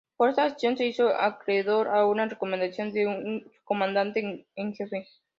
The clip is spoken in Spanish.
Por esa acción se hizo acreedor a una recomendación de su comandante en jefe.